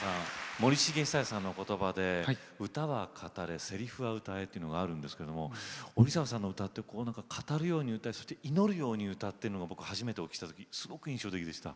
森繁久彌さんのことばで歌は語れせりふは歌えということばがあるんですけれど折坂さんの歌は語るように祈るように歌っているのを初めてお聴きしたときに印象的でした。